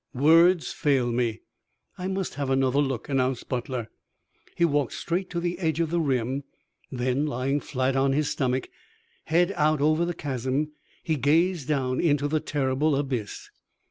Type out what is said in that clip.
"Words fail me." "I must have another look," announced Butler. He walked straight to the edge of the rim, then lying flat on his stomach, head out over the chasm, he gazed down into the terrible abyss.